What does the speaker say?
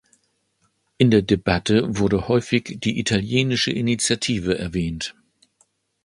In der Debatte wurde häufig die italienische Initiative erwähnt.